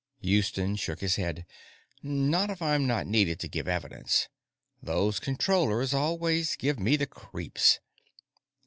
Houston shook his head. "Not if I'm not needed to give evidence. Those Controllers always give me the creeps."